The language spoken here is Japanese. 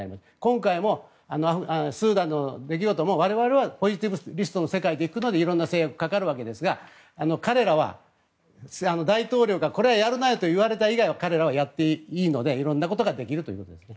今回もスーダンの出来事も我々はポジティブリストの世界で行くので色んな制約がかかるわけですが彼らは大統領からこれはやるなと言われたこと以外はやっていいので色んなことができるということです。